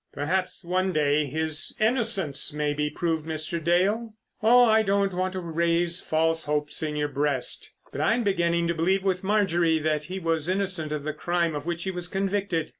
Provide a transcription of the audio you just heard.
"Perhaps one day his innocence may be proved, Mr. Dale. Oh, I don't want to raise false hopes in your breast. But I'm beginning to believe with Marjorie that he was innocent of the crime of which he was convicted.